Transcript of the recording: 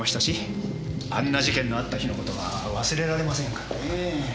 あんな事件のあった日の事は忘れられませんからねぇ。